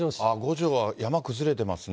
五條は山崩れてますね。